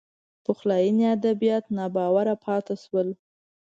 پخلاینې ادبیات ناباوره پاتې شول